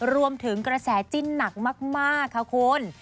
รวมถึงกระแสจิ้นหนักมากค่ะคุณ